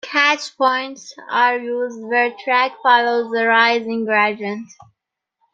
"Catch points" are used where track follows a rising gradient.